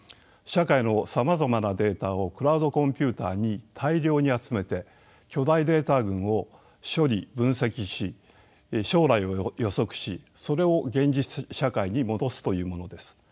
社会のさまざまなデータをクラウドコンピュータに大量に集めて巨大データ群を処理・分析し将来を予測しそれを現実社会に戻すというものです。